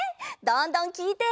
どんどんきいて！